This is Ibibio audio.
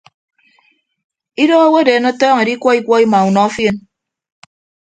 Idooho awodeen ọtọọñọke edikwọ ikwọ ima unọ fien.